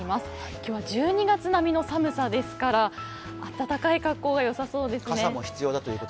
今日は１２月並みの寒さですから温かい格好がよさそうですね。